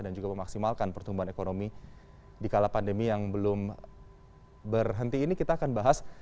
dan juga memaksimalkan pertumbuhan ekonomi di kala pandemi yang belum berhenti ini kita akan bahas